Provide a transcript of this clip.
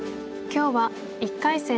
今日は１回戦